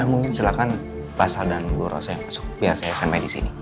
ya mungkin silahkan pak sada dan bu rosa yang masuk biasa sma di sini